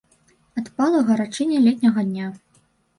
Адпала гарачыня летняга дня.